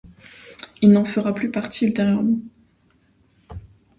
Il n'en fera plus partie ultérieurement.